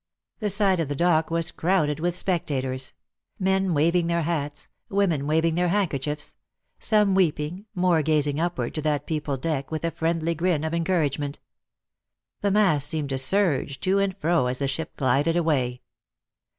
The side of the dock was crowded with spectators — men waving their hats, women waving their handkerchiefs — some weeping, more gazing upward to that peopled deck, with a friendly grin of encouragement. The mass seemed to surge to and fro as the ship glided away.